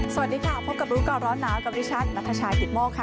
สวัสดีค่ะพบกับรู้ก่อนร้อนหนาวกับดิฉันนัทชายกิตโมกค่ะ